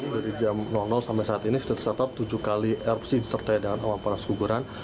dari jam sampai saat ini sudah tercatat tujuh kali erupsi disertai dengan awan panas guguran